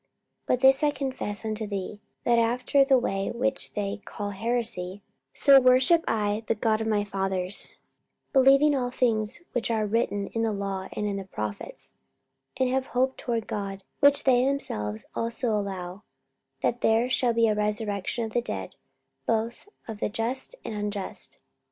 44:024:014 But this I confess unto thee, that after the way which they call heresy, so worship I the God of my fathers, believing all things which are written in the law and in the prophets: 44:024:015 And have hope toward God, which they themselves also allow, that there shall be a resurrection of the dead, both of the just and unjust.